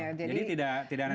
betul jadi tidak nanti bertumbuh